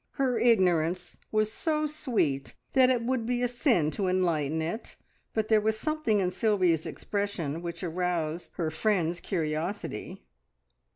Her ignorance was so sweet that it would be a sin to enlighten it, but there was something in Sylvia's expression which aroused her friend's curiosity.